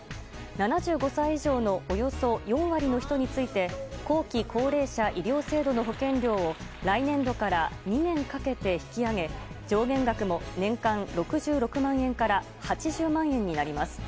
７５歳以上のおよそ４割の人について後期高齢者医療制度の保険料を来年度から２年かけて引き上げ上限額も年間６６万円から８０万円になります。